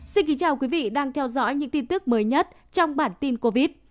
xin kính chào quý vị đang theo dõi những tin tức mới nhất trong bản tin covid